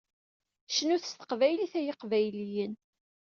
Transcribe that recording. Cnut s teqbaylit ay iqbayliyen!